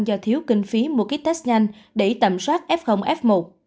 do thiếu kinh phí mua kýt test nhanh để tầm soát f f một